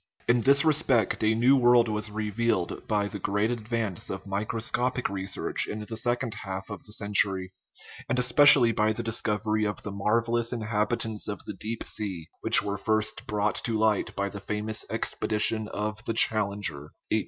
In this respect a new world was revealed by the great advance of mi croscopic research in the second half of the century, and especially by the discovery of the marvellous inhabi tants of the deep sea, which were first brought to light by the famous expedition of the Challenger (1872 76).